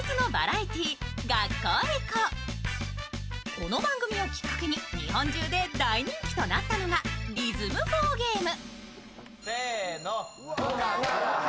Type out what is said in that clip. この番組をきっかけに日本中で大人気となったのが「リズム４ゲーム」。